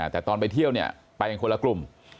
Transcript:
แต่ตอนไปเที่ยวไปกันคนละกลุ่ม